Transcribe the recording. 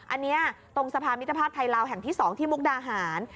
อันนี้ตรงสภามิทธภาษณ์ไทยราวแห่งที่๒ที่มกดาหาร